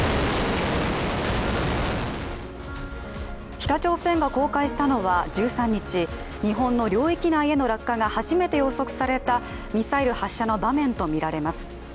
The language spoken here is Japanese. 北朝鮮が公開したのは１３日、日本の領域内の落下が初めて予測されたミサイル発射の場面とみられます。